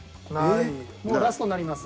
もうラストになります。